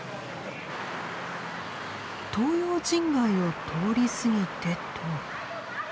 東洋人街を通り過ぎてと。